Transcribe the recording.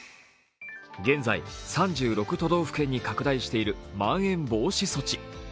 現在、３６都道府県に拡大しているまん延防止措置。